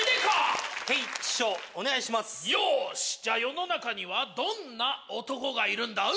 じゃあ世の中にはどんな男がいるんだ？